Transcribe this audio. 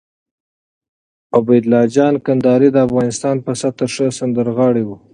عبیدالله جان کندهاری د افغانستان په سطحه ښه سندرغاړی وو